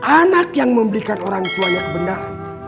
anak yang membelikan orangtuanya kebenahan